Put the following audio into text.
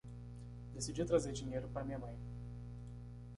Decidi trazer dinheiro para minha mãe.